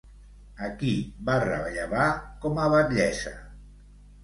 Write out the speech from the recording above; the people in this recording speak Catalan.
A qui va rellevar, com a batllessa?